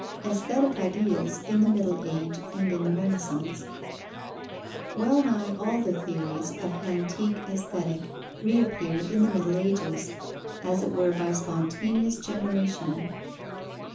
II AESTHETIC IDEAS IN THE MIDDLE AGE AND IN THE RENAISSANCE Well nigh all the theories of antique Aesthetic reappear in the Middle Ages, as it were by spontaneous generation.